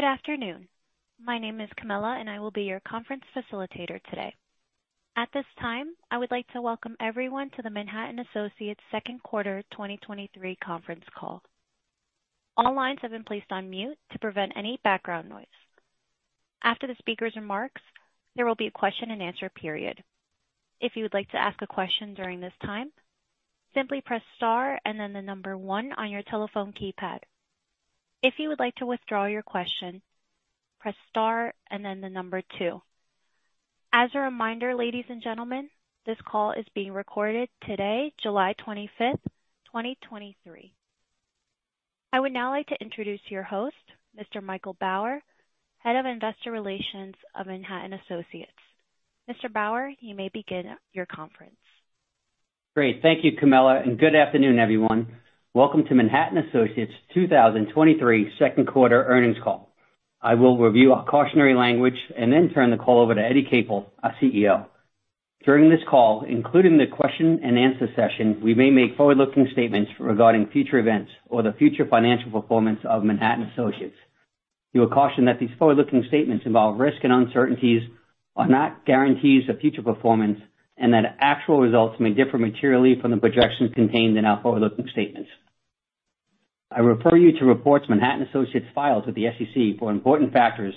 Good afternoon. My name is Camilla, and I will be your conference facilitator today. At this time, I would like to welcome everyone to the Manhattan Associates Second Quarter 2023 Conference Call. All lines have been placed on mute to prevent any background noise. After the speaker's remarks, there will be a question and answer period. If you would like to ask a question during this time, simply press star and then the number one on your telephone keypad. If you would like to withdraw your question, press star and then the number two. As a reminder, ladies and gentlemen, this call is being recorded today, July 25, 2023. I would now like to introduce your host, Mr. Michael Bauer, Head of Investor Relations of Manhattan Associates. Mr. Bauer, you may begin your conference. Great. Thank you, Camilla. Good afternoon, everyone. Welcome to Manhattan Associates 2023 Second Quarter Earnings Call. I will review our cautionary language and then turn the call over to Eddie Capel, our CEO. During this call, including the question and answer session, we may make forward-looking statements regarding future events or the future financial performance of Manhattan Associates. You will caution that these forward-looking statements involve risk and uncertainties are not guarantees of future performance, and that actual results may differ materially from the projections contained in our forward-looking statements. I refer you to reports Manhattan Associates files with the SEC for important factors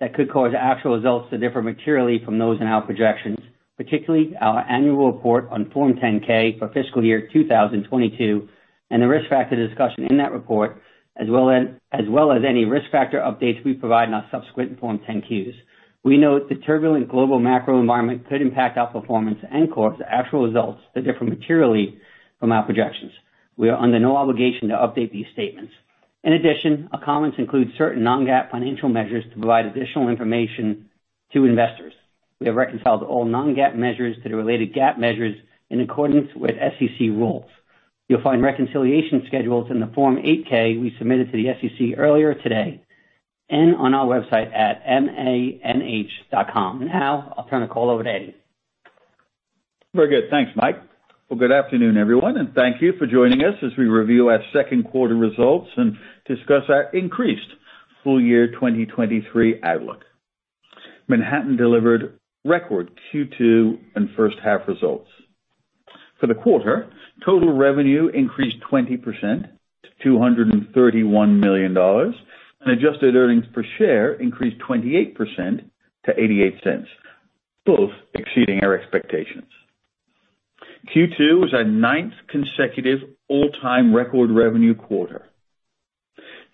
that could cause actual results to differ materially from those in our projections, particularly our Annual Report on Form 10-K for fiscal year 2022, and the risk factor discussion in that report, as well as any risk factor updates we provide in our subsequent Form 10-Qs. We note the turbulent global macro environment could impact our performance and course actual results that differ materially from our projections. We are under no obligation to update these statements. Our comments include certain non-GAAP financial measures to provide additional information to investors. We have reconciled all non-GAAP measures to the related GAAP measures in accordance with SEC rules. You'll find reconciliation schedules in the Form 8-K we submitted to the SEC earlier today and on our website at manh.com. Now I'll turn the call over to Eddie. Very good. Thanks, Mike. Well, good afternoon, everyone, and thank you for joining us as we review our Second Quarter Results and discuss our increased full year 2023 outlook. Manhattan delivered record Q2 and first half results. For the quarter, total revenue increased 20% to $231 million, and adjusted earnings per share increased 28% to $0.88, both exceeding our expectations. Q2 was our ninth consecutive all-time record revenue quarter.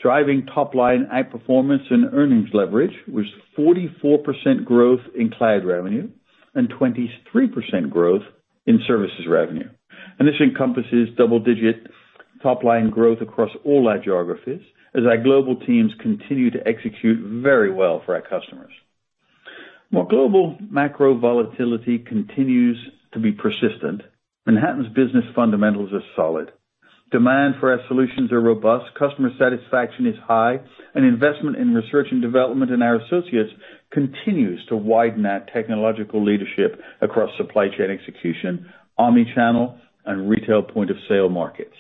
Driving top line outperformance and earnings leverage was 44% growth in cloud revenue and 23% growth in services revenue. This encompasses double-digit top-line growth across all our geographies as our global teams continue to execute very well for our customers. While global macro volatility continues to be persistent, Manhattan's business fundamentals are solid. Demand for our solutions are robust, customer satisfaction is high, investment in research and development in our associates continues to widen that technological leadership across supply chain execution, omnichannel, and retail POS markets.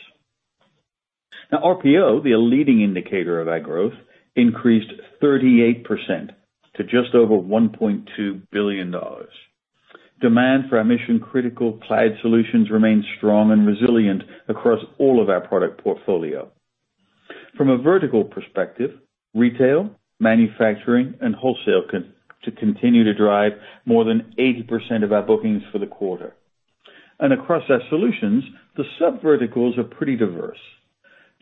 RPO, the leading indicator of our growth, increased 38% to just over $1.2 billion. Demand for our mission-critical cloud solutions remains strong and resilient across all of our product portfolio. From a vertical perspective, retail, manufacturing, and wholesale to continue to drive more than 80% of our bookings for the quarter. Across our solutions, the sub verticals are pretty diverse.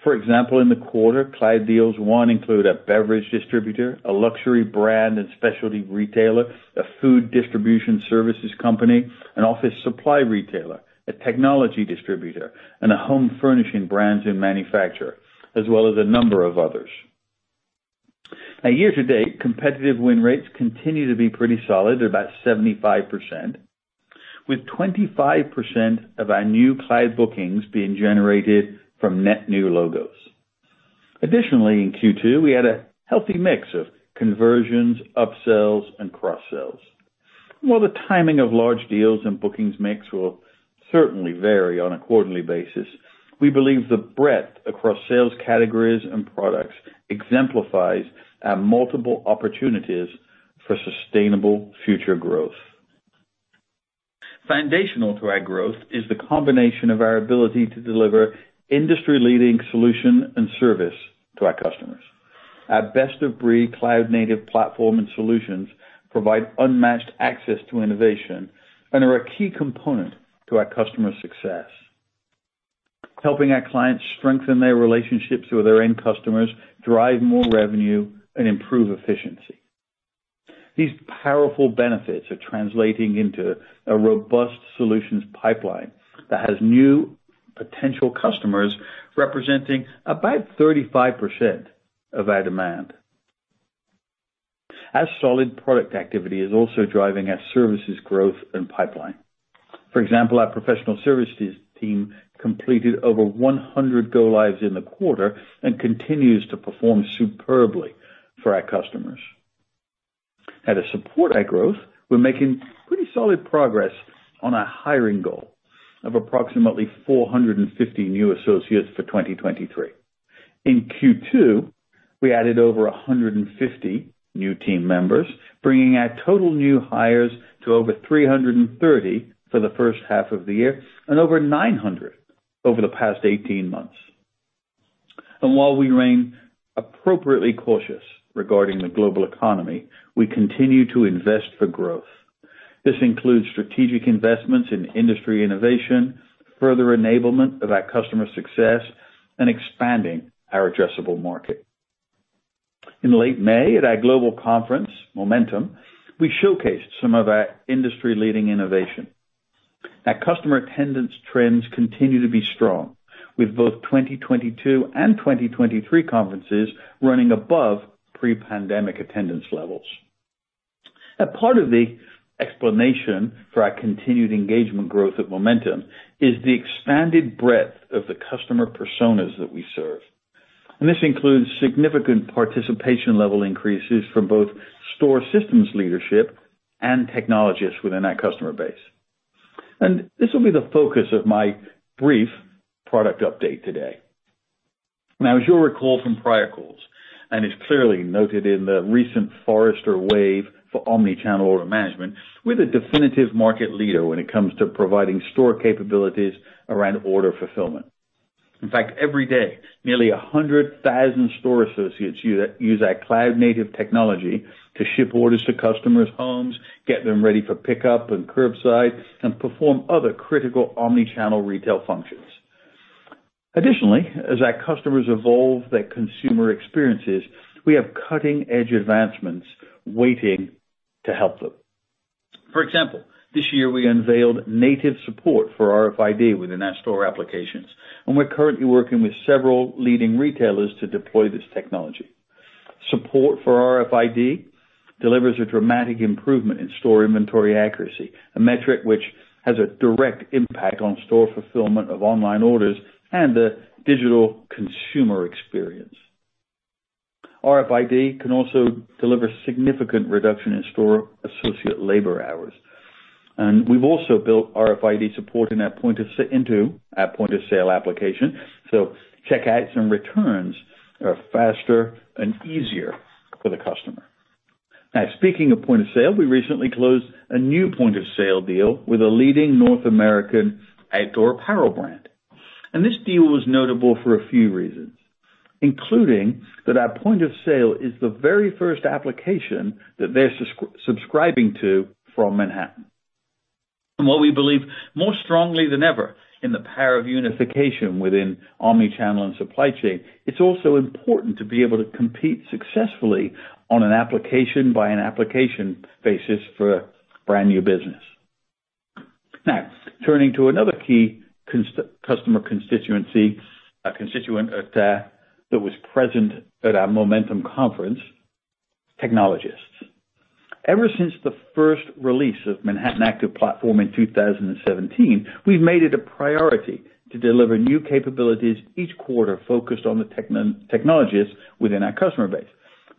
For example, in the quarter, cloud deals won include a beverage distributor, a luxury brand and specialty retailer, a food distribution services company, an office supply retailer, a technology distributor, and a home furnishing brands and manufacturer, as well as a number of others. Year to date, competitive win rates continue to be pretty solid. They're about 75%, with 25% of our new cloud bookings being generated from net new logos. In Q2, we had a healthy mix of conversions, upsells, and cross-sells. The timing of large deals and bookings mix will certainly vary on a quarterly basis, we believe the breadth across sales categories and products exemplifies our multiple opportunities for sustainable future growth. Foundational to our growth is the combination of our ability to deliver industry-leading solution and service to our customers. Our best-of-breed cloud native platform and solutions provide unmatched access to innovation and are a key component to our customers' success, helping our clients strengthen their relationships with their end customers, drive more revenue, and improve efficiency. These powerful benefits are translating into a robust solutions pipeline that has new potential customers, representing about 35% of our demand. Our solid product activity is also driving our services growth and pipeline. For example, our professional services team completed over 100 go-lives in the quarter and continues to perform superbly for our customers. To support our growth, we're making pretty solid progress on our hiring goal of approximately 450 new associates for 2023. In Q2, we added over 150 new team members, bringing our total new hires to over 330 for the first half of the year, and over 900 over the past 18 months. While we remain appropriately cautious regarding the global economy, we continue to invest for growth. This includes strategic investments in industry innovation, further enablement of our customer success, and expanding our addressable market. In late May, at our global conference, Momentum, we showcased some of our industry-leading innovation. Our customer attendance trends continue to be strong, with both 2022 and 2023 conferences running above pre-pandemic attendance levels. A part of the explanation for our continued engagement growth at Momentum is the expanded breadth of the customer personas that we serve, and this includes significant participation level increases from both store systems leadership and technologists within our customer base. This will be the focus of my brief product update today. Now, as you'll recall from prior calls, and it's clearly noted in the recent Forrester Wave for omnichannel order management, we're the definitive market leader when it comes to providing store capabilities around order fulfillment. In fact, every day, nearly 100,000 store associates use our cloud-native technology to ship orders to customers' homes, get them ready for pickup and curbside, and perform other critical omnichannel retail functions. As our customers evolve their consumer experiences, we have cutting-edge advancements waiting to help them. For example, this year we unveiled native support for RFID within our store applications, and we're currently working with several leading retailers to deploy this technology. Support for RFID delivers a dramatic improvement in store inventory accuracy, a metric which has a direct impact on store fulfillment of online orders and the digital consumer experience. RFID can also deliver significant reduction in store associate labor hours, and we've also built RFID support into our point-of-sale application, so checkouts and returns are faster and easier for the customer. Now, speaking of point of sale, we recently closed a new point-of-sale deal with a leading North American outdoor apparel brand. This deal was notable for a few reasons, including that our point of sale is the very first application that they're subscribing to from Manhattan. While we believe more strongly than ever in the power of unification within omnichannel and supply chain, it's also important to be able to compete successfully on an application by an application basis for brand-new business. Now, turning to another key customer constituency, a constituent, that was present at our Momentum conference, technologists. Ever since the first release of Manhattan Active Platform in 2017, we've made it a priority to deliver new capabilities each quarter, focused on the technologists within our customer base,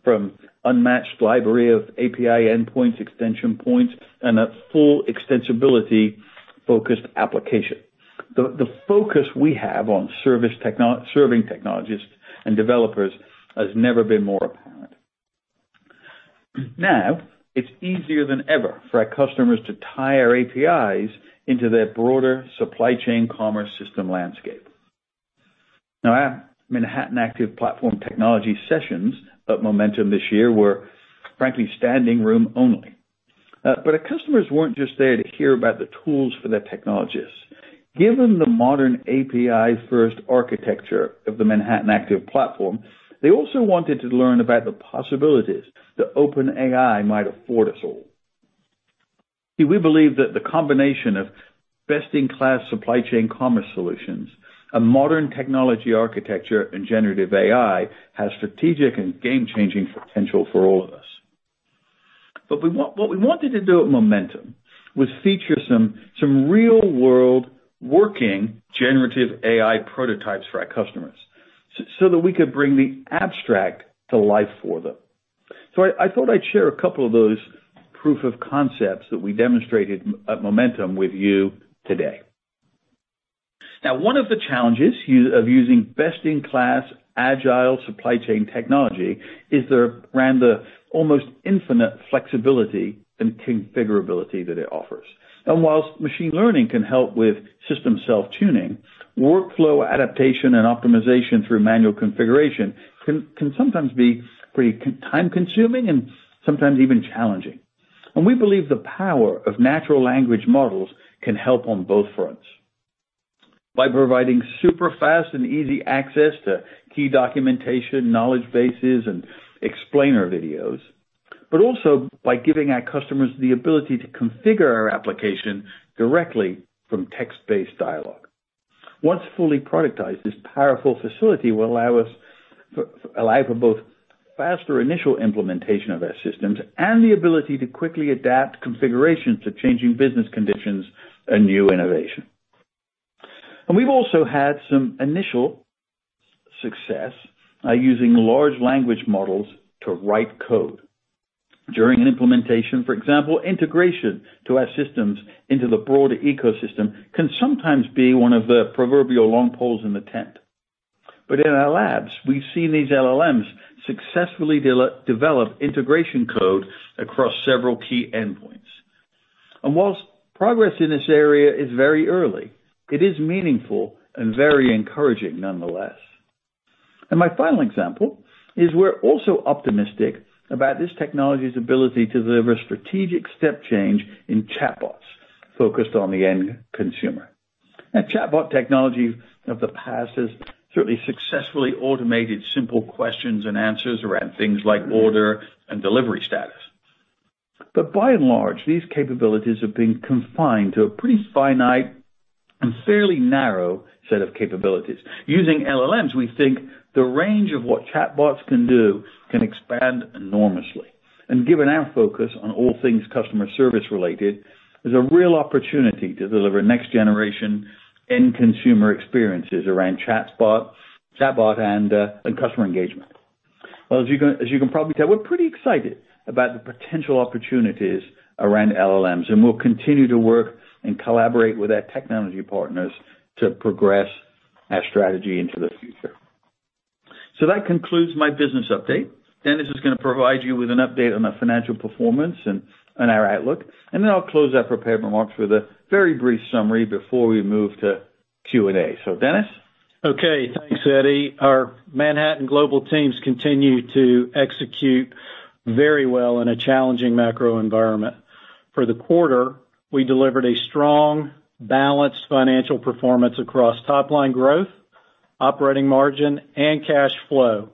from unmatched library of API endpoints, extension points, and a full extensibility-focused application. The focus we have on serving technologists and developers has never been more apparent. It's easier than ever for our customers to tie our APIs into their broader supply chain commerce system landscape. Our Manhattan Active Platform technology sessions at Momentum this year were, frankly, standing room only. Our customers weren't just there to hear about the tools for their technologists. Given the modern API-first architecture of the Manhattan Active Platform, they also wanted to learn about the possibilities that OpenAI might afford us all. We believe that the combination of best-in-class supply chain commerce solutions, a modern technology architecture, and generative AI has strategic and game-changing potential for all of us. What we wanted to do at Momentum was feature some real-world working generative AI prototypes for our customers, so that we could bring the abstract to life for them. I thought I'd share a couple of those proof of concepts that we demonstrated at Momentum with you today. One of the challenges of using best-in-class, agile supply chain technology is the around the almost infinite flexibility and configurability that it offers. Whilst machine learning can help with system self-tuning, workflow adaptation and optimization through manual configuration can sometimes be pretty time-consuming and sometimes even challenging. We believe the power of natural language models can help on both fronts. By providing super fast and easy access to key documentation, knowledge bases, and explainer videos, also by giving our customers the ability to configure our application directly from text-based dialogue. Once fully productized, this powerful facility will allow for both faster initial implementation of our systems and the ability to quickly adapt configurations to changing business conditions and new innovation. We've also had some initial success by using Large Language Models to write code. During implementation, for example, integration to our systems into the broader ecosystem can sometimes be one of the proverbial long poles in the tent. In our labs, we've seen these LLMs successfully develop integration code across several key endpoints. Whilst progress in this area is very early, it is meaningful and very encouraging nonetheless. My final example is we're also optimistic about this technology's ability to deliver strategic step change in chatbots focused on the end consumer. Now, chatbot technology of the past has certainly successfully automated simple questions and answers around things like order and delivery status. By and large, these capabilities have been confined to a pretty finite and fairly narrow set of capabilities. Using LLMs, we think the range of what chatbots can do can expand enormously. Given our focus on all things customer service-related, there's a real opportunity to deliver next-generation end consumer experiences around chatbot and customer engagement. Well, as you can probably tell, we're pretty excited about the potential opportunities around LLMs, and we'll continue to work and collaborate with our technology partners to progress our strategy into the future. That concludes my business update. Dennis is gonna provide you with an update on the financial performance and our outlook, and then I'll close our prepared remarks with a very brief summary before we move to Q&A. Dennis? Okay, thanks, Eddie. Our Manhattan global teams continue to execute very well in a challenging macro environment. For the quarter, we delivered a strong, balanced financial performance across top line growth, operating margin, and cash flow.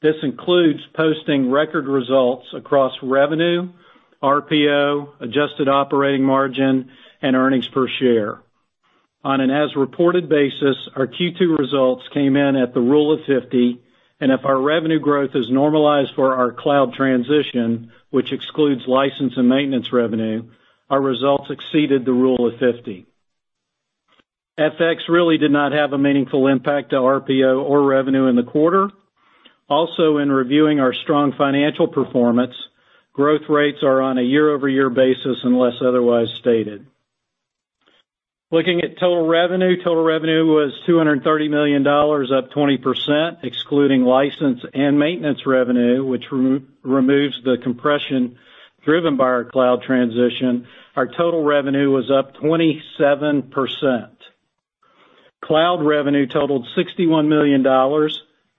This includes posting record results across revenue, RPO, adjusted operating margin, and earnings per share. On an as-reported basis, our Q2 results came in at the Rule of 50, and if our revenue growth is normalized for our cloud transition, which excludes license and maintenance revenue, our results exceeded the Rule of 50. FX really did not have a meaningful impact to RPO or revenue in the quarter. Also, in reviewing our strong financial performance, growth rates are on a year-over-year basis unless otherwise stated. Looking at total revenue, total revenue was $230 million, up 20%. Excluding license and maintenance revenue, which removes the compression driven by our cloud transition, our total revenue was up 27%. Cloud revenue totaled $61 million,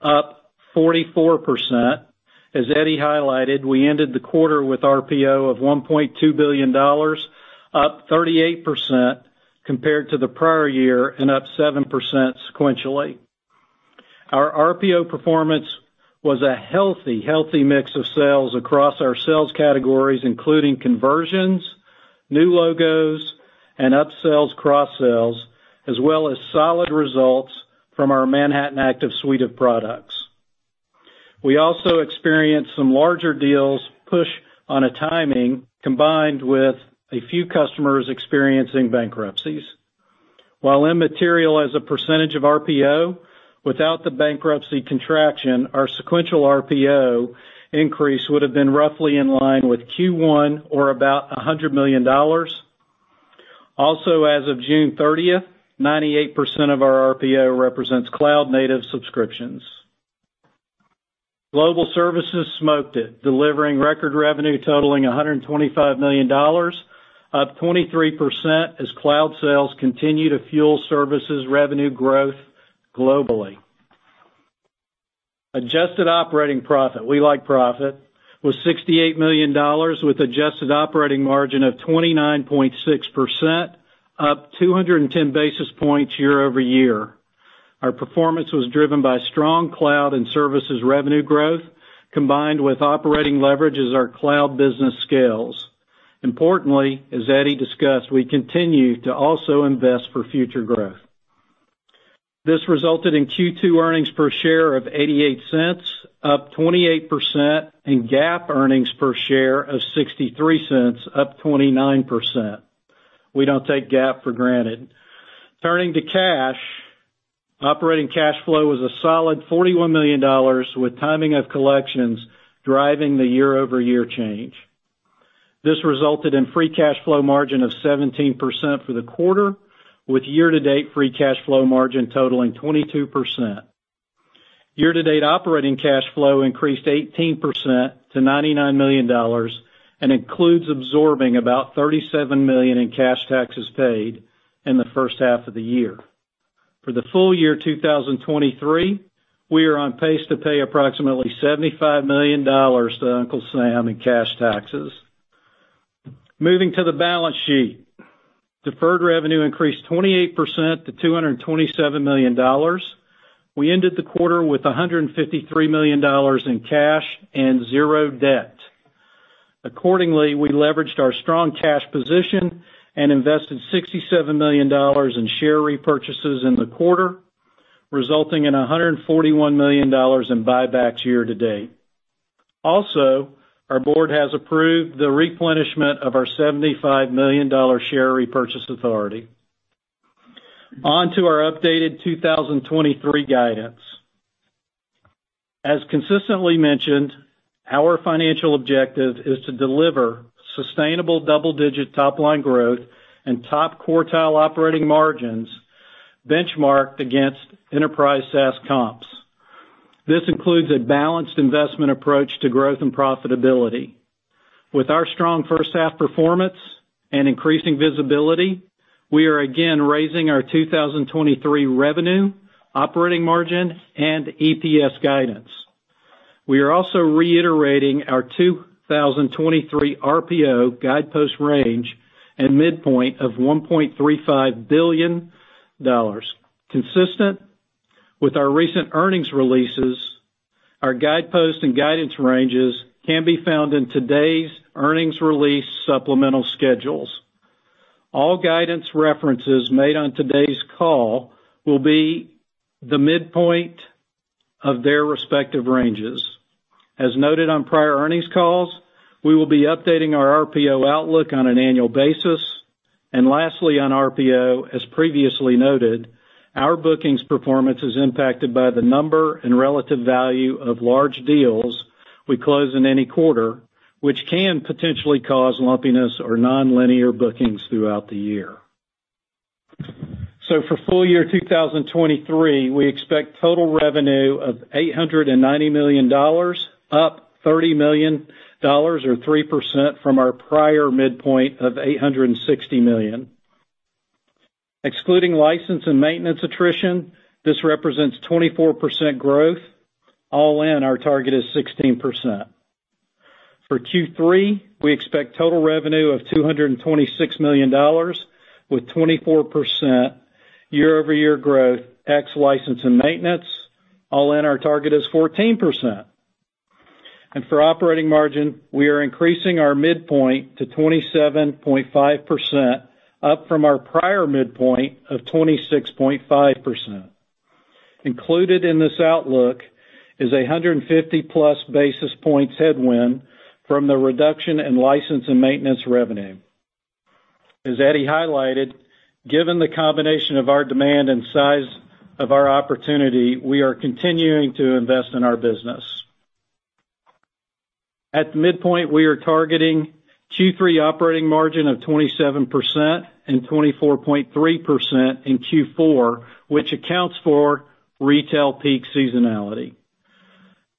up 44%. As Eddie highlighted, we ended the quarter with RPO of $1.2 billion, up 38% compared to the prior year and up 7% sequentially. Our RPO performance was a healthy mix of sales across our sales categories, including conversions, new logos, and upsells, cross-sells, as well as solid results from our Manhattan Active suite of products. We also experienced some larger deals push on a timing, combined with a few customers experiencing bankruptcies. While immaterial as a percentage of RPO, without the bankruptcy contraction, our sequential RPO increase would have been roughly in line with Q1 or about $100 million. Also, as of June 30th, 98% of our RPO represents cloud-native subscriptions. Global Services smoked it, delivering record revenue totaling $125 million, up 23% as cloud sales continue to fuel services revenue growth globally. Adjusted operating profit, we like profit, was $68 million, with adjusted operating margin of 29.6%, up 210 basis points year-over-year. Our performance was driven by strong cloud and services revenue growth, combined with operating leverage as our cloud business scales. Importantly, as Eddie discussed, we continue to also invest for future growth. This resulted in Q2 earnings per share of $0.88, up 28%, and GAAP earnings per share of $0.63, up 29%. We don't take GAAP for granted. Turning to cash, operating cash flow was a solid $41 million, with timing of collections driving the year-over-year change. This resulted in free cash flow margin of 17% for the quarter, with year-to-date free cash flow margin totaling 22%. Year-to-date operating cash flow increased 18% to $99 million and includes absorbing about $37 million in cash taxes paid in the first half of the year. For the full year 2023, we are on pace to pay approximately $75 million to Uncle Sam in cash taxes. Moving to the balance sheet. Deferred revenue increased 28% to $227 million. We ended the quarter with $153 million in cash and zero debt. We leveraged our strong cash position and invested $67 million in share repurchases in the quarter, resulting in $141 million in buybacks year to date. Our board has approved the replenishment of our $75 million share repurchase authority. On to our updated 2023 guidance. As consistently mentioned, our financial objective is to deliver sustainable double-digit top line growth and top quartile operating margins benchmarked against enterprise SaaS comps. This includes a balanced investment approach to growth and profitability. With our strong first half performance and increasing visibility, we are again raising our 2023 revenue, operating margin, and EPS guidance. We are also reiterating our 2023 RPO guidepost range and midpoint of $1.35 billion. Consistent with our recent earnings releases, our guidepost and guidance ranges can be found in today's earnings release supplemental schedules. All guidance references made on today's call will be the midpoint of their respective ranges. As noted on prior earnings calls, we will be updating our RPO outlook on an annual basis. Lastly, on RPO, as previously noted, our bookings performance is impacted by the number and relative value of large deals we close in any quarter, which can potentially cause lumpiness or nonlinear bookings throughout the year. For full year 2023, we expect total revenue of $890 million, up $30 million or 3% from our prior midpoint of $860 million. Excluding license and maintenance attrition, this represents 24% growth. All in, our target is 16%. For Q3, we expect total revenue of $226 million, with 24% year-over-year growth, ex license and maintenance. All in, our target is 14%. For operating margin, we are increasing our midpoint to 27.5%, up from our prior midpoint of 26.5%. Included in this outlook is 150+ basis points headwind from the reduction in license and maintenance revenue. As Eddie highlighted, given the combination of our demand and size of our opportunity, we are continuing to invest in our business. At the midpoint, we are targeting Q3 operating margin of 27% and 24.3% in Q4, which accounts for retail peak seasonality.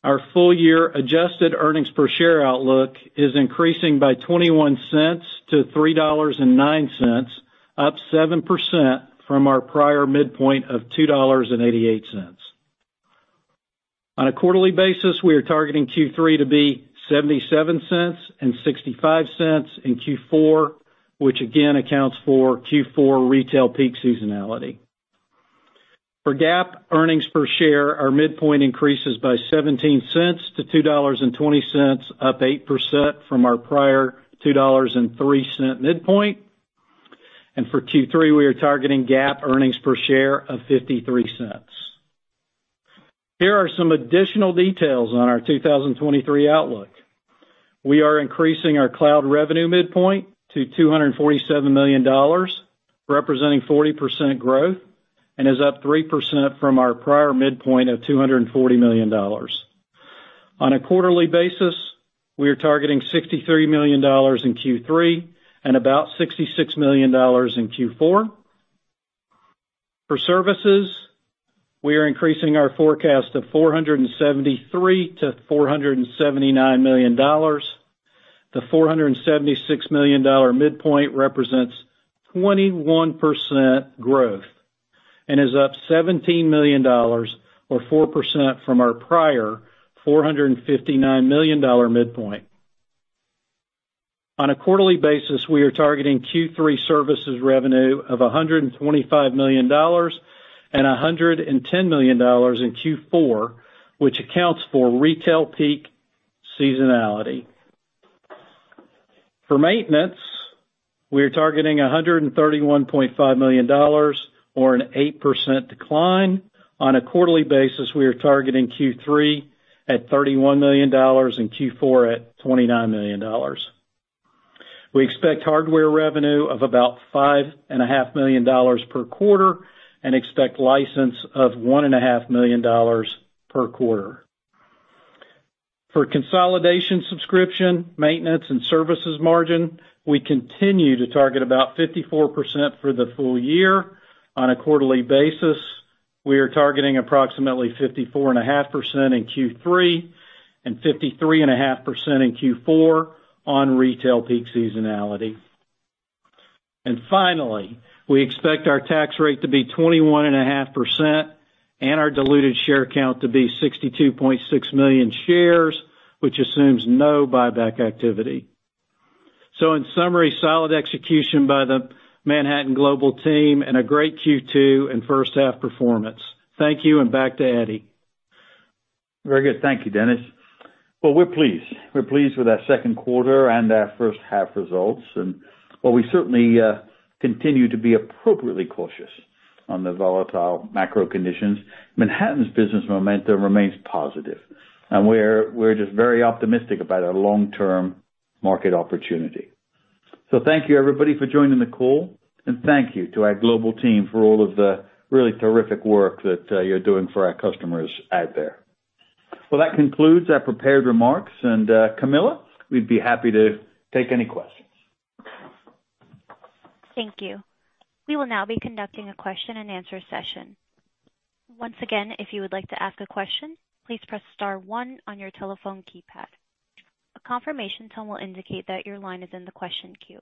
Our full year adjusted EPS outlook is increasing by $0.21 to $3.09, up 7% from our prior midpoint of $2.88. On a quarterly basis, we are targeting Q3 to be $0.77 and $0.65 in Q4, which again accounts for Q4 retail peak seasonality. For GAAP EPS, our midpoint increases by $0.17 to $2.20, up 8% from our prior $2.03 midpoint. For Q3, we are targeting GAAP EPS of $0.53. Here are some additional details on our 2023 outlook. We are increasing our cloud revenue midpoint to $247 million, representing 40% growth, and is up 3% from our prior midpoint of $240 million. On a quarterly basis, we are targeting $63 million in Q3 and about $66 million in Q4. For services, we are increasing our forecast of $473 million-$479 million. The $476 million midpoint represents 21% growth and is up $17 million or 4% from our prior $459 million midpoint. On a quarterly basis, we are targeting Q3 services revenue of $125 million and $110 million in Q4, which accounts for retail peak seasonality. For maintenance, we are targeting $131.5 million or an 8% decline. On a quarterly basis, we are targeting Q3 at $31 million and Q4 at $29 million. We expect hardware revenue of about $5.5 million per quarter and expect license of $1.5 million per quarter. For consolidation, subscription, maintenance, and services margin, we continue to target about 54% for the full year. On a quarterly basis, we are targeting approximately 54.5% in Q3 and 53.5% in Q4 on retail peak seasonality. Finally, we expect our tax rate to be 21.5% and our diluted share count to be 62.6 million shares, which assumes no buyback activity. In summary, solid execution by the Manhattan Global team, and a great Q2 and first half performance. Thank you, and back to Eddie. Very good. Thank you, Dennis. We're pleased. We're pleased with our second quarter and our first half results, and well, we certainly continue to be appropriately cautious on the volatile macro conditions, Manhattan's business momentum remains positive, and we're just very optimistic about our long-term market opportunity. Thank you, everybody, for joining the call, and thank you to our global team for all of the really terrific work that you're doing for our customers out there. That concludes our prepared remarks, and Camilla, we'd be happy to take any questions. Thank you. We will now be conducting a question and answer session. Once again, if you would like to ask a question, please press star one on your telephone keypad. A confirmation tone will indicate that your line is in the question queue.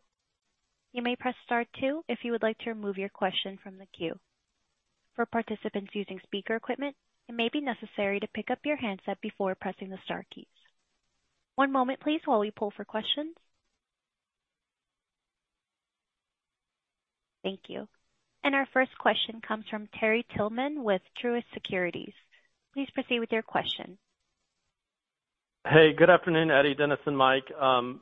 You may press star two if you would like to remove your question from the queue. For participants using speaker equipment, it may be necessary to pick up your handset before pressing the star keys. One moment, please, while we pull for questions. Thank you. Our first question comes from Terry Tillman with Truist Securities. Please proceed with your question. Hey, good afternoon, Eddie, Dennis, and Mike.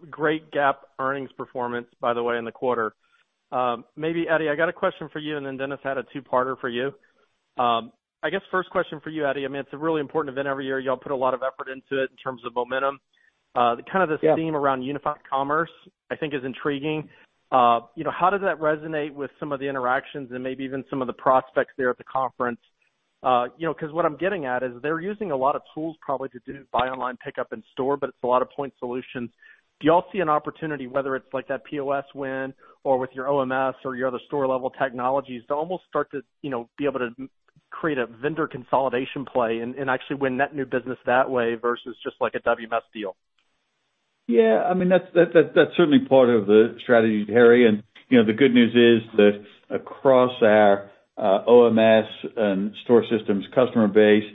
great GAAP earnings performance, by the way, in the quarter. maybe Eddie, I got a question for you, and then Dennis had a two-parter for you. I guess first question for you, Eddie, I mean, it's a really important event every year. Y'all put a lot of effort into it in terms of Momentum. kind of this theme. Yeah - around unified commerce, I think, is intriguing. you know, how does that resonate with some of the interactions and maybe even some of the prospects there at the conference? you know, 'cause what I'm getting at is they're using a lot of tools, probably, to do buy online, pickup in store, but it's a lot of point solutions. Do you all see an opportunity, whether it's like that POS win or with your OMS or your other store-level technologies, to almost start to, you know, be able to create a vendor consolidation play and actually win net new business that way versus just like a WMS deal? Yeah, I mean, that's certainly part of the strategy, Terry. You know, the good news is that across our OMS and store systems customer base,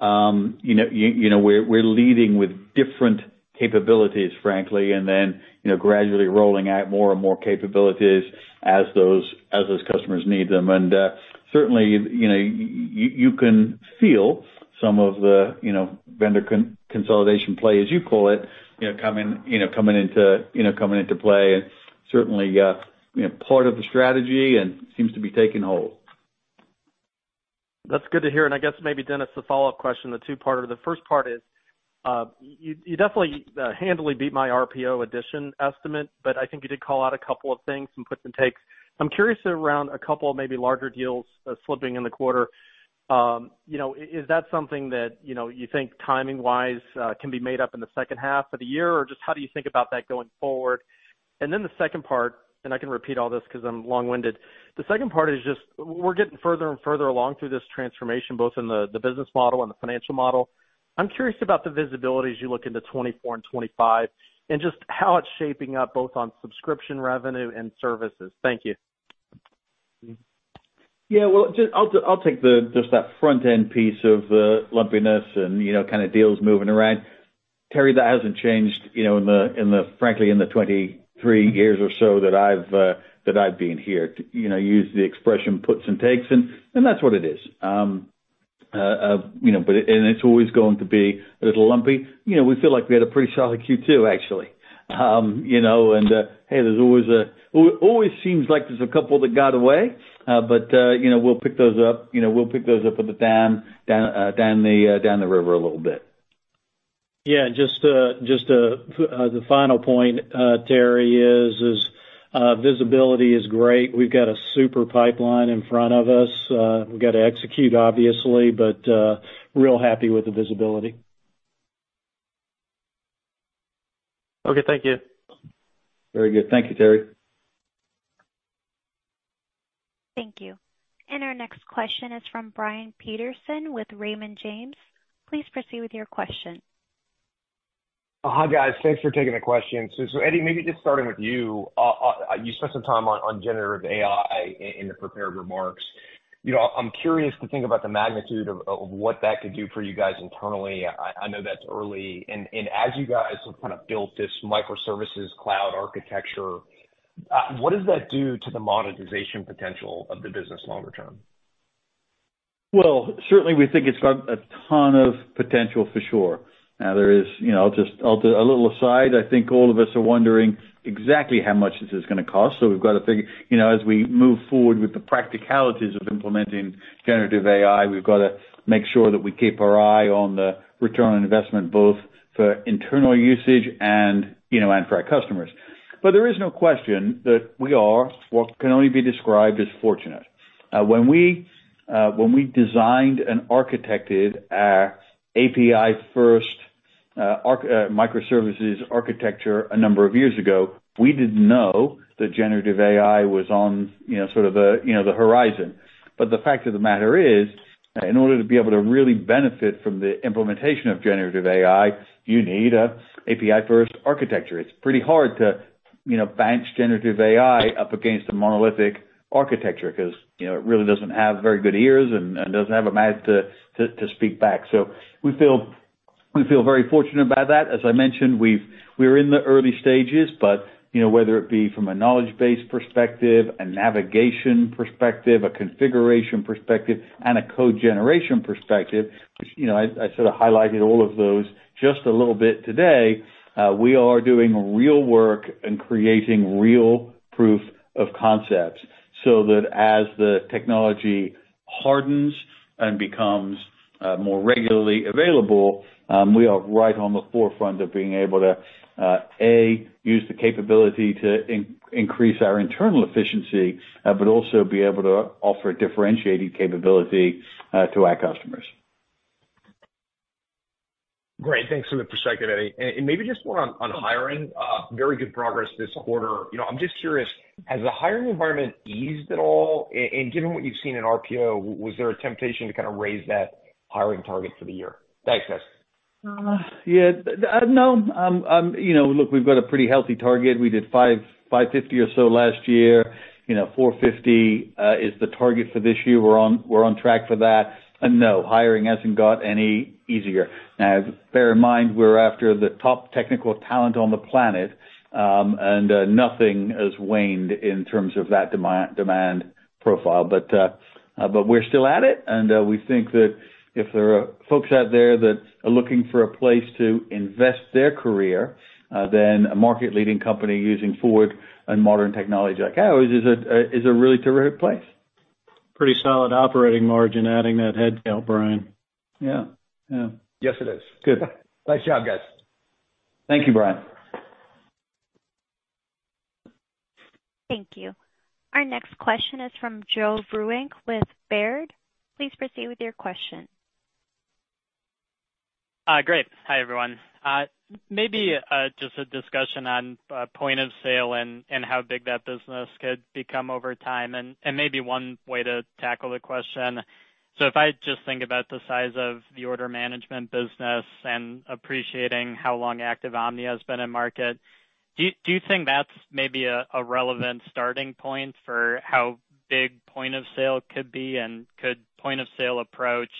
you know, we're leading with different capabilities, frankly, and then, you know, gradually rolling out more and more capabilities as those customers need them. Certainly, you know, you can feel some of the, you know, vendor consolidation play, as you call it, coming into play, and certainly, you know, part of the strategy and seems to be taking hold. That's good to hear. I guess maybe, Dennis, the follow up question, the two-parter. The first part is, you definitely, handily beat my RPO addition estimate, but I think you did call out a couple of things, some puts and takes. I'm curious around a couple of maybe larger deals, slipping in the quarter. You know, is that something that, you know, you think timing-wise, can be made up in the second half of the year, or just how do you think about that going forward? Then the second part, and I can repeat all this 'cause I'm long-winded, the second part is just, we're getting further and further along through this transformation, both in the business model and the financial model. I'm curious about the visibility as you look into 2024 and 2025 and just how it's shaping up, both on subscription revenue and services. Thank you. Well, just I'll take the, just that front end piece of the lumpiness and, you know, kind of deals moving around. Terry, that hasn't changed, you know, in the, frankly, in the 23 years or so that I've that I've been here. To, you know, use the expression, puts and takes, and that's what it is. You know, it's always going to be a little lumpy. You know, we feel like we had a pretty solid Q2, actually. You know, hey, there's always seems like there's a couple that got away, you know, we'll pick those up. You know, we'll pick those up at the down the river a little bit. Yeah, just the final point, Terry, is visibility is great. We've got a super pipeline in front of us. We've got to execute, obviously, but real happy with the visibility. Okay. Thank you. Very good. Thank you, Terry. Thank you. Our next question is from Brian Peterson with Raymond James. Please proceed with your question. Hi, guys. Thanks for taking the question. Eddie, maybe just starting with you. You spent some time on generative AI in the prepared remarks. You know, I'm curious to think about the magnitude of what that could do for you guys internally. I know that's early. As you guys have kind of built this microservices cloud architecture, what does that do to the monetization potential of the business longer term? Well, certainly, we think it's got a ton of potential for sure. There is, you know, I'll do a little aside. I think all of us are wondering exactly how much this is gonna cost, we've got to figure, you know, as we move forward with the practicalities of implementing generative AI, we've got to make sure that we keep our eye on the return on investment, both for internal usage and, you know, and for our customers. There is no question that we are what can only be described as fortunate. When we designed and architected our API-first microservices architecture a number of years ago, we didn't know that generative AI was on, you know, sort of the, you know, the horizon. The fact of the matter is, in order to be able to really benefit from the implementation of generative AI, you need a API-first architecture. It's pretty hard to, you know, bench generative AI up against a monolithic architecture because, you know, it really doesn't have very good ears and doesn't have a mouth to speak back. We feel very fortunate about that. As I mentioned, we're in the early stages, but, you know, whether it be from a knowledge base perspective, a navigation perspective, a configuration perspective, and a code generation perspective, which, you know, I sort of highlighted all of those just a little bit today, we are doing real work and creating real proof of concepts, so that as the technology... hardens and becomes, more regularly available, we are right on the forefront of being able to, A, use the capability to increase our internal efficiency, but also be able to offer a differentiating capability, to our customers. Great. Thanks for the perspective, Eddie. Maybe just one on hiring, very good progress this quarter. You know, I'm just curious, has the hiring environment eased at all? And given what you've seen in RPO, was there a temptation to kind of raise that hiring target for the year? Thanks, guys. Yeah, no, you know, look, we've got a pretty healthy target. We did 5, 550 or so last year. You know, 450 is the target for this year. We're on track for that. No, hiring hasn't got any easier. Now, bear in mind, we're after the top technical talent on the planet, and nothing has waned in terms of that demand profile. We're still at it, and we think that if there are folks out there that are looking for a place to invest their career, then a market-leading company using forward and modern technology like ours is a really terrific place. Pretty solid operating margin, adding that head count, Brian. Yeah, yeah. Yes, it is. Good luck. Nice job, guys. Thank you, Brian. Thank you. Our next question is from Joe Vruwink with Baird. Please proceed with your question. Great. Hi, everyone. Maybe just a discussion on point of sale and how big that business could become over time, and maybe one way to tackle the question. If I just think about the size of the order management business and appreciating how long Active Omni has been in market, do you think that's maybe a relevant starting point for how big point of sale could be? Could point of sale approach,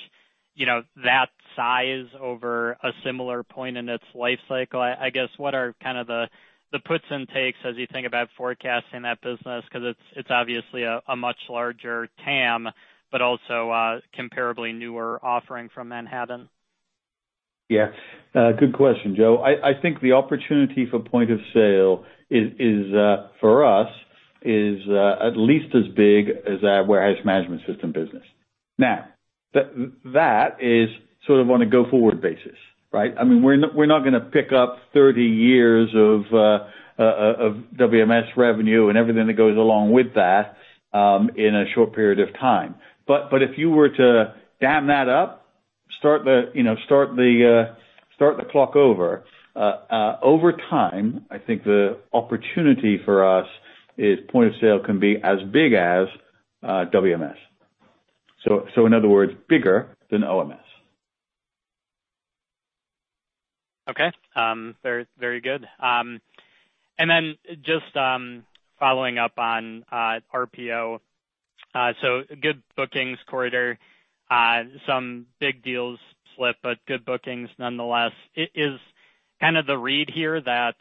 you know, that size over a similar point in its life cycle? I guess, what are kind of the puts and takes as you think about forecasting that business? 'Cause it's obviously a much larger TAM, but also a comparably newer offering from Manhattan. Yeah. Good question, Joe. I think the opportunity for point of sale is, for us, is at least as big as our warehouse management system business. That is sort of on a go-forward basis, right? I mean, we're not, we're not gonna pick up 30 years of WMS revenue and everything that goes along with that, in a short period of time. If you were to dam that up, start the, you know, start the clock over time, I think the opportunity for us is point of sale can be as big as WMS. In other words, bigger than OMS. Okay. Very, very good. Then just following up on RPO. Good bookings quarter. Some big deals slipped, but good bookings nonetheless. Is kind of the read here that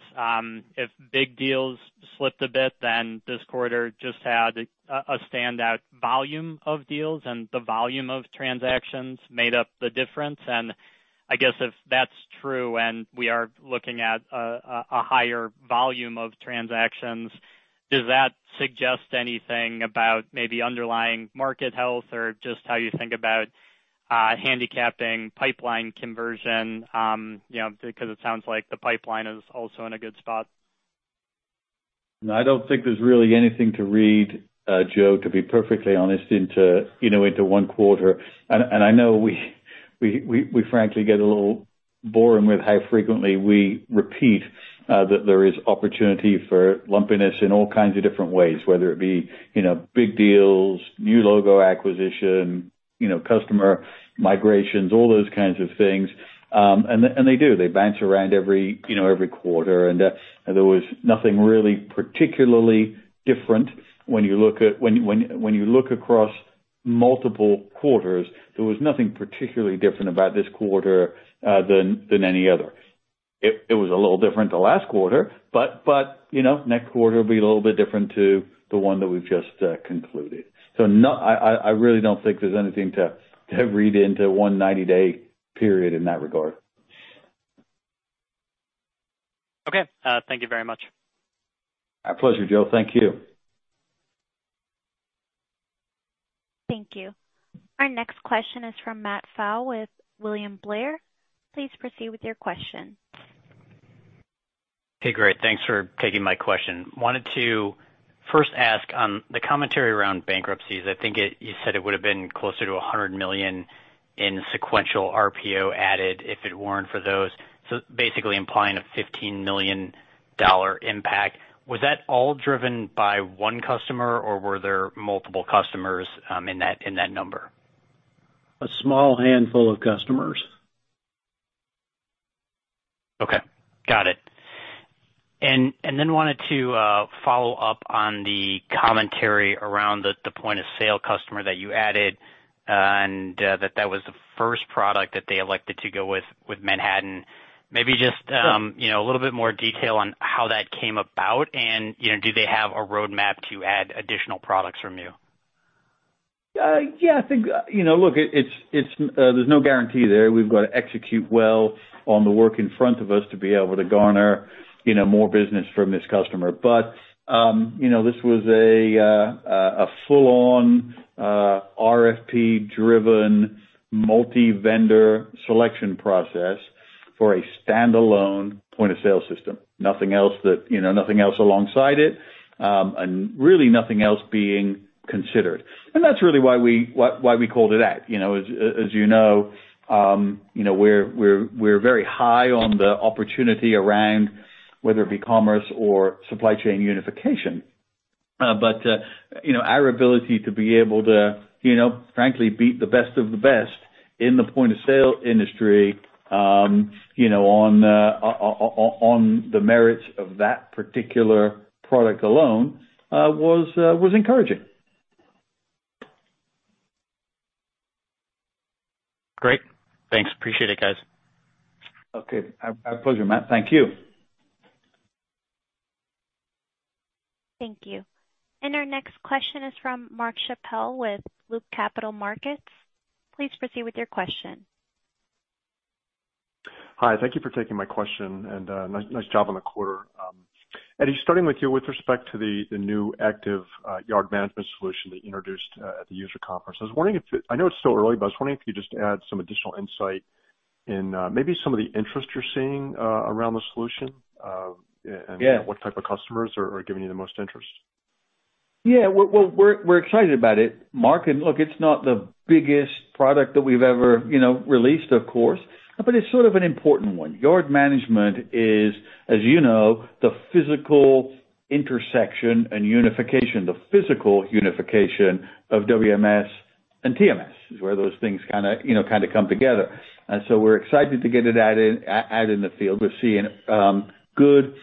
if big deals slipped a bit, then this quarter just had a standout volume of deals, and the volume of transactions made up the difference? I guess if that's true, and we are looking at a higher volume of transactions, does that suggest anything about maybe underlying market health or just how you think about handicapping pipeline conversion? You know, because it sounds like the pipeline is also in a good spot. No, I don't think there's really anything to read, Joe, to be perfectly honest, into, you know, into one quarter. I know we frankly get a little boring with how frequently we repeat that there is opportunity for lumpiness in all kinds of different ways, whether it be, you know, big deals, new logo acquisition, you know, customer migrations, all those kinds of things. They do, they bounce around every, you know, every quarter. There was nothing really particularly different when you look across multiple quarters, there was nothing particularly different about this quarter than any other. It was a little different the last quarter, but, you know, next quarter will be a little bit different to the one that we've just concluded. I really don't think there's anything to read into 1 90-day period in that regard. Okay. Thank you very much. My pleasure, Joe. Thank you. Thank you. Our next question is from Matt Pfau with William Blair. Please proceed with your question. Hey, great. Thanks for taking my question. Wanted to first ask on the commentary around bankruptcies. I think you said it would have been closer to $100 million in sequential RPO added if it weren't for those, so basically implying a $15 million impact. Was that all driven by one customer, or were there multiple customers in that, in that number? A small handful of customers. Okay, got it. Then wanted to follow up on the commentary around the point of sale customer that you added, and that was the first product that they elected to go with Manhattan. Maybe just, you know, a little bit more detail on how that came about, and, you know, do they have a roadmap to add additional products from you? Yeah, I think, you know, look, it's, it's, there's no guarantee there. We've got to execute well on the work in front of us to be able to garner, you know, more business from this customer. You know, this was a full-on RFP-driven, multi-vendor selection process for a standalone point-of-sale system. Nothing else that, you know, nothing else alongside it, and really nothing else being considered. That's really why we called it that. You know, as you know, you know, we're very high on the opportunity around whether it be commerce or supply chain unification. But, you know, our ability to be able to, you know, frankly, beat the best of the best in the point-of-sale industry, you know, on the merits of that particular product alone, was encouraging. Great. Thanks. Appreciate it, guys. Okay. Our pleasure, Matt. Thank you. Thank you. Our next question is from Mark Schappel with Loop Capital Markets. Please proceed with your question. Hi, thank you for taking my question, and nice job on the quarter. Eddie, starting with you, with respect to the new Active Yard Management solution that you introduced at the user conference. I know it's still early, but I was wondering if you could just add some additional insight in maybe some of the interest you're seeing around the solution, and Yeah what type of customers are giving you the most interest? Yeah. Well, we're excited about it, Mark. Look, it's not the biggest product that we've ever, you know, released, of course, but it's sort of an important one. Yard management is, as you know, the physical intersection and unification, the physical unification of WMS and TMS, is where those things kinda, you know, kinda come together. We're excited to get it out in the field. We're seeing good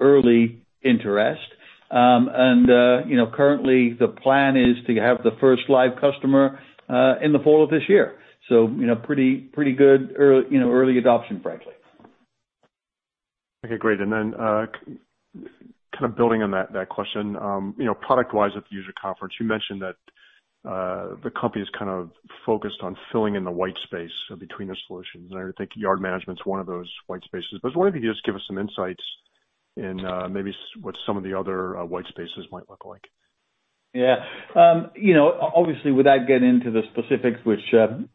early interest. You know, currently, the plan is to have the first live customer in the fall of this year. You know, pretty good, you know, early adoption, frankly. Okay, great. Then, kind of building on that question, you know, product-wise at the user conference, you mentioned that the company is kind of focused on filling in the white space between the solutions, and I think yard management's one of those white spaces. I was wondering if you could just give us some insights in, maybe what some of the other white spaces might look like. Yeah. you know, obviously, without getting into the specifics, which,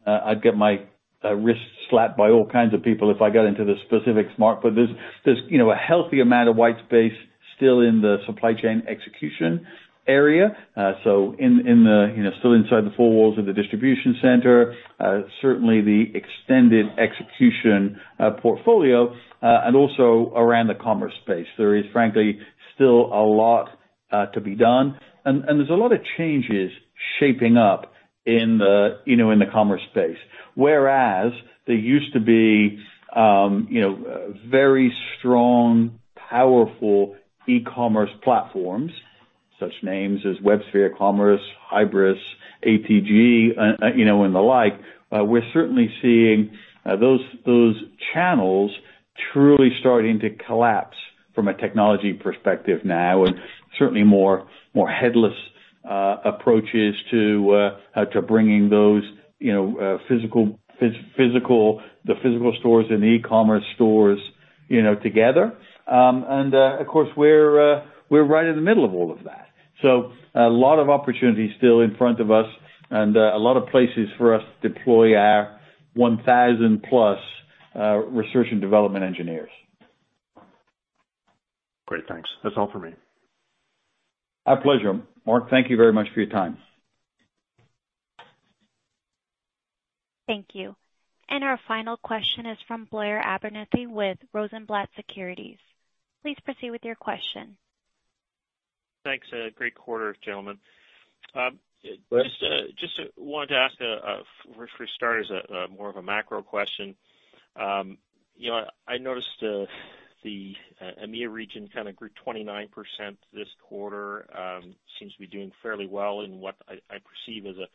I'd get my wrist slapped by all kinds of people if I got into the specifics, Mark, but there's, you know, a healthy amount of white space still in the supply chain execution area. In the, you know, still inside the four walls of the distribution center, certainly the extended execution portfolio, and also around the commerce space. There is frankly still a lot to be done. There's a lot of changes shaping up in the, you know, in the commerce space. Whereas there used to be, you know, very strong, powerful e-commerce platforms, such names as WebSphere Commerce, Hybris, ATG, you know, and the like, we're certainly seeing those channels truly starting to collapse from a technology perspective now, and certainly more, more headless approaches to bringing those, you know, physical stores and the e-commerce stores, you know, together. Of course, we're right in the middle of all of that. A lot of opportunities still in front of us and a lot of places for us to deploy our 1,000 plus research and development engineers. Great, thanks. That's all for me. Our pleasure, Mark. Thank you very much for your time. Thank you. Our final question is from Blair Abernethy with Rosenblatt Securities. Please proceed with your question. Thanks. A great quarter, gentlemen. Blair. Just wanted to ask, for starters, a more of a macro question. You know, I noticed the EMEA region kind of grew 29% this quarter, seems to be doing fairly well in what I perceive as a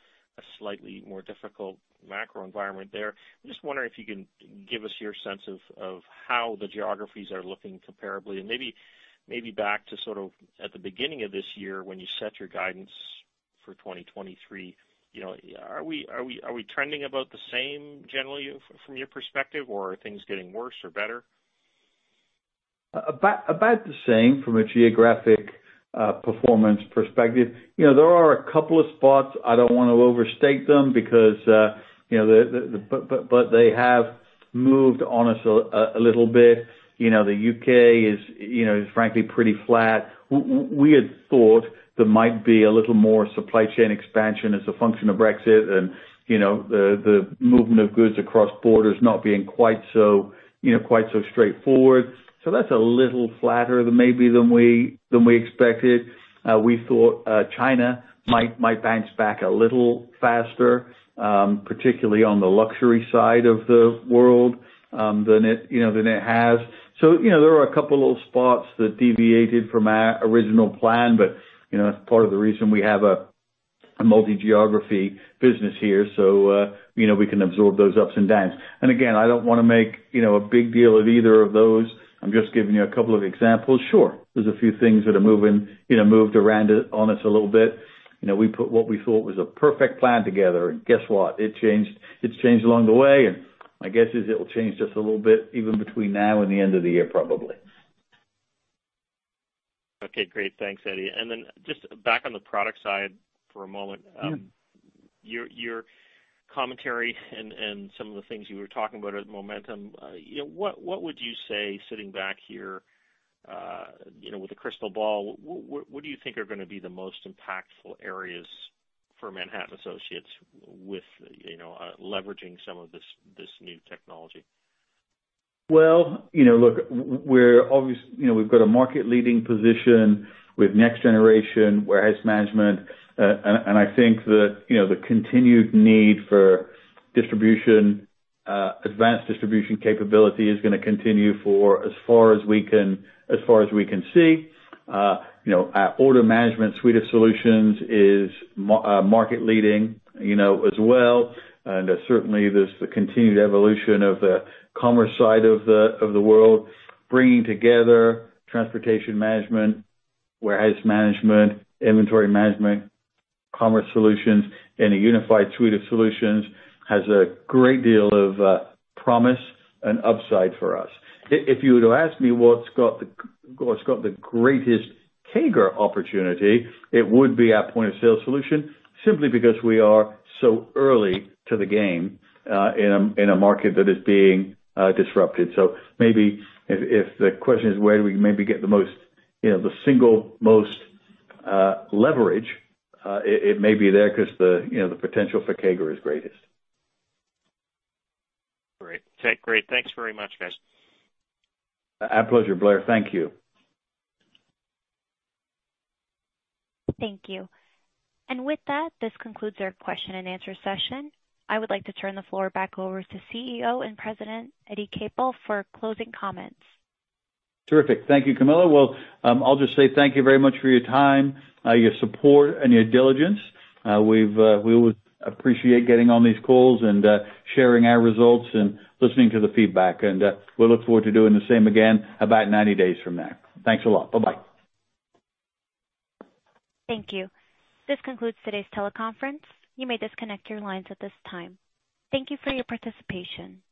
slightly more difficult macro environment there. I'm just wondering if you can give us your sense of how the geographies are looking comparably, and maybe back to sort of at the beginning of this year when you set your guidance for 2023. You know, are we trending about the same generally from your perspective, or are things getting worse or better? About the same from a geographic performance perspective. You know, there are a couple of spots, I don't wanna overstate them because, you know, they have moved on us a little bit. You know, the U.K. is frankly pretty flat. We had thought there might be a little more supply chain expansion as a function of Brexit, and, you know, the movement of goods across borders not being quite so straightforward. That's a little flatter than maybe than we expected. We thought China might bounce back a little faster, particularly on the luxury side of the world, than it, you know, than it has. You know, there are a couple of spots that deviated from our original plan, but, you know, that's part of the reason we have a multi-geography business here, so, you know, we can absorb those ups and downs. Again, I don't wanna make, you know, a big deal of either of those. I'm just giving you a couple of examples. Sure, there's a few things that are moving, you know, moved around it on us a little bit. You know, we put what we thought was a perfect plan together, and guess what? It changed. It's changed along the way, and my guess is it'll change just a little bit, even between now and the end of the year, probably. Okay, great. Thanks, Eddie. Just back on the product side for a moment. Your commentary and some of the things you were talking about at the Momentum, you know, what would you say, sitting back here, you know, with a crystal ball, what do you think are gonna be the most impactful areas for Manhattan Associates with, you know, leveraging some of this new technology? Well, you know, look, you know, we've got a market-leading position with next generation warehouse management. I think that, you know, the continued need for distribution, advanced distribution capability is going to continue for as far as we can, as far as we can see. You know, our order management suite of solutions is market-leading, you know, as well. Certainly, there's the continued evolution of the commerce side of the world, bringing together transportation management, warehouse management, inventory management, commerce solutions, and a unified suite of solutions, has a great deal of promise and upside for us. If you were to ask me what's got the greatest CAGR opportunity, it would be our point of sale solution, simply because we are so early to the game, in a market that is being disrupted. Maybe if the question is where do we maybe get the most, you know, the single most leverage, it may be there because the, you know, the potential for CAGR is greatest. Great. Okay, great. Thanks very much, guys. Our pleasure, Blair. Thank you. Thank you. With that, this concludes our question and answer session. I would like to turn the floor back over to CEO and President, Eddie Capel, for closing comments. Terrific. Thank you, Camilla. Well, I'll just say thank you very much for your time, your support and your diligence. We always appreciate getting on these calls and sharing our results and listening to the feedback. We look forward to doing the same again about 90 days from now. Thanks a lot. Bye-bye. Thank you. This concludes today's teleconference. You may disconnect your lines at this time. Thank you for your participation.